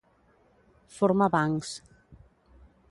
Forma bancs.